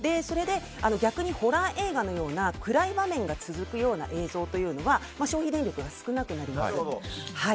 逆にホラー映画のような暗い画面が続くような映像は消費電力が少なくなります。